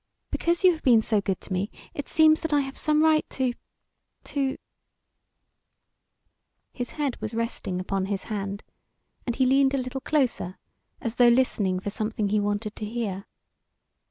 Because you have been so good to me it seems that I have some right to to " His head was resting upon his hand, and he leaned a little closer as though listening for something he wanted to hear.